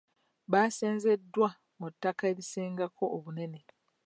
Baasenzeddwa mu ttaka erisingako obunene.